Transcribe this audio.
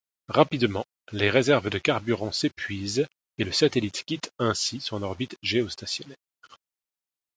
Rapidement, les réserves de carburant s'épuisent et le satellite quitte ainsi son orbite géostationnaire.